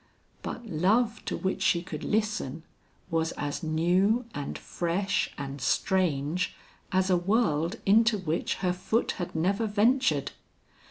But love to which she could listen, was as new and fresh and strange, as a world into which her foot had never ventured.